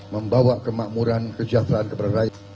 membawa kemakmuran kesejahteraan kepada rakyat